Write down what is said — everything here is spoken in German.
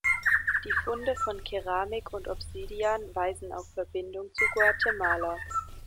Die Funde von Keramik und Obsidian weisen auf Verbindung zu Guatemala.